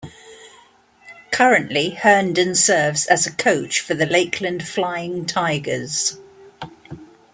Currently, Herndon serves as a coach for the Lakeland Flying Tigers.